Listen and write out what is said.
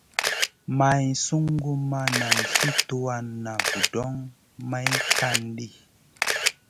Maï sungu ma nan sli tuwan na vudoŋ may kan ɗi.